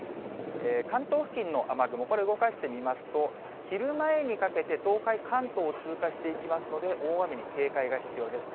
関東付近の雨雲、これ、動かしてみますと、昼前にかけて、東海、関東を通過していきますので、大雨に警戒が必要です。